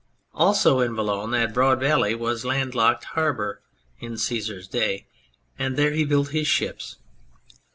Also in Boulogne that broad valley was a land locked harbour in Caesar's day, and there he built his ships.